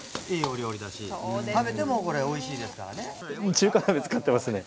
中華鍋使ってますね。